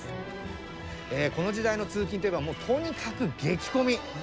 この時代の通勤といえばとにかく激混み。